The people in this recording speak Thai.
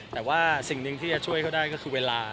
แต่ว่าสิ่งหนึ่งที่จะช่วยเขาได้ก็คือเวลา